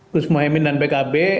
khusus muhyemin dan pkb